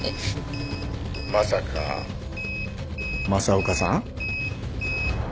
まさか政岡さん？